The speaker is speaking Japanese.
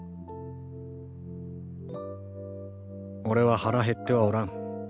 俺は腹減ってはおらん。